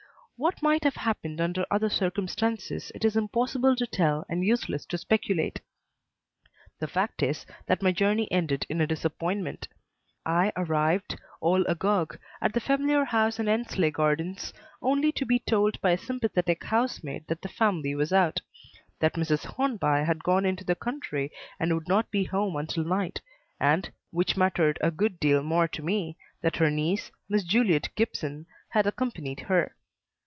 What might have happened under other circumstances it is impossible to tell and useless to speculate; the fact is that my journey ended in a disappointment. I arrived, all agog, at the familiar house in Endsley Gardens only to be told by a sympathetic housemaid that the family was out; that Mrs. Hornby had gone into the country and would not be home until night, and which mattered a good deal more to me that her niece, Miss Juliet Gibson, had accompanied her.